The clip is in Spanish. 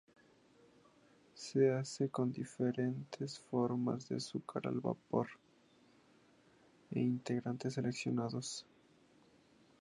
Se hace con diferentes formas de azúcar al vapor e ingredientes seleccionados.